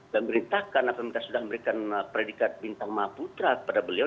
dan pemerintah kan pemerintah sudah memberikan predikat bintang maputra kepada beliau